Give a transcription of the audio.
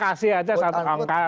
kasih aja satu tongkar